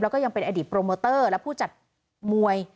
แล้วก็ยังเป็นอดีตโปรโมเตอร์และผู้จัดมวย